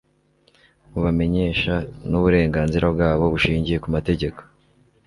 mubamenyesha n'uburenganzira bwabo bushingiye ku mategeko